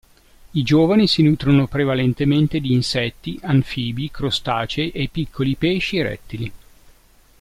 I giovani si nutrono prevalentemente di insetti, anfibi, crostacei e piccoli pesci e rettili.